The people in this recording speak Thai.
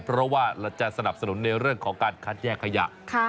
เพราะว่าเราจะสนับสนุนในเรื่องของการคัดแยกขยะ